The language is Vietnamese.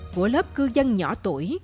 của lớp cư dân nhỏ tuổi